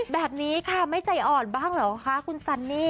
แบบนี้ค่ะไม่ใจอ่อนบ้างเหรอคะคุณซันนี่